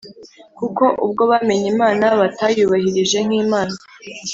kuko ubwo bamenye Imana batayubahirije nk’Imana